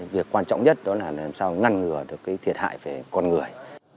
việc quan trọng nhất đó là làm sao ngăn ngừa được cái thiệt hại về con người